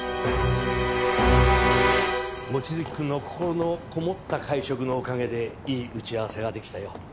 望月くんの心のこもった会食のおかげでいい打ち合わせができたよ。